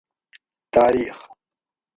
تاریخ